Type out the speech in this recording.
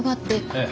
ええ。